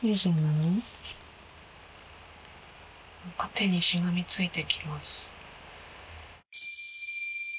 手にしがみついてきます。